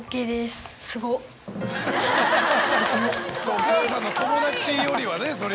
お母さんの友達よりはね。